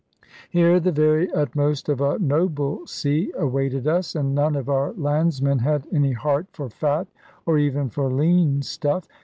Here the very utmost of a noble sea awaited us, and none of our landsmen had any heart for fat, or even for lean stuff.